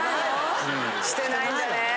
してないんだね。